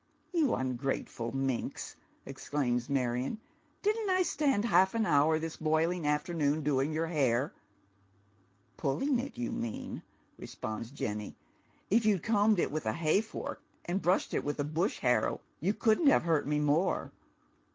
" You ungrateful minx," exclaims Marion, " didn't I stand half an hour this broiling afternoon doing your hair ?"" Pulling it, you mean," responds Jenny. " If you'd combed it with a hay fork and brushed it with a bush harrow you couldn't have hurt me more."